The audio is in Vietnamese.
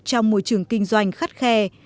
trong môi trường kinh doanh khắt khe